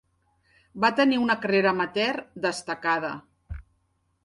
Va tenir una carrera amateur destacada.